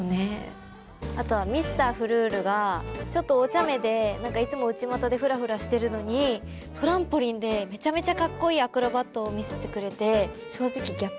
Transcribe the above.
あとはミスター・フルールがちょっとおちゃめでいつも内股でふらふらしてるのにトランポリンでめちゃめちゃカッコイイアクロバットを見せてくれて正直。